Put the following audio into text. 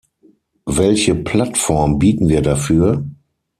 Welche Plattform bieten wir dafür?